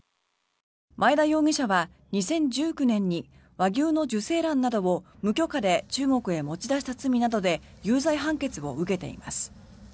前田容疑者は２０１９年に和牛の受精卵などを無許可で中国へ持ち出した罪などで有罪判決を受けています。